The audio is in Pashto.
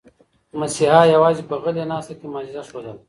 مسیحا یوازې په غلې ناسته کې معجزه ښودله.